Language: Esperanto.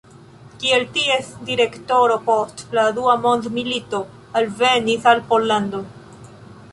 Kiel ties direktoro post la dua mondmilito alvenis al Pollando.